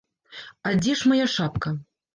А дзе ж мая шапка?